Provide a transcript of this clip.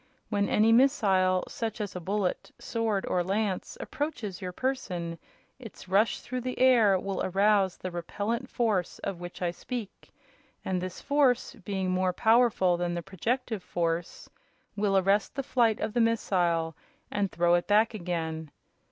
When any missile, such as a bullet, sword or lance, approaches your person, its rush through the air will arouse the repellent force of which I speak, and this force, being more powerful than the projective force, will arrest the flight of the missile and throw it back again.